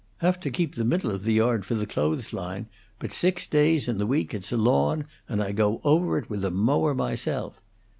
Have to keep the middle of the yard for the clothesline, but six days in the week it's a lawn, and I go over it with a mower myself.